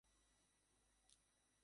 মহামান্য রানিকে খুবই কৃতজ্ঞ মনে হচ্ছিল।